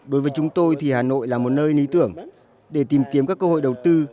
đối với chúng tôi thì hà nội là một nơi lý tưởng để tìm kiếm các cơ hội đầu tư